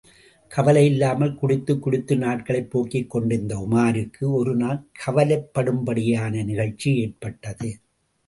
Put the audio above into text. கவலையில்லாமல் குடித்துக் குடித்து நாட்களைப் போக்கிக் கொண்டிருந்த உமாருக்கு ஒருநாள் கவலைப்படும்படியான நிகழ்ச்சி ஏற்பட்டது.